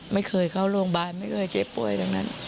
ไม่เคยเข้าโรงพยาบาลไม่เคยเจ็บป่วยตรงนั้น